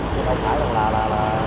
chứ không thấy là